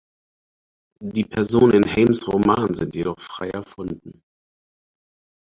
Die Personen in Heyms Roman sind jedoch frei erfunden.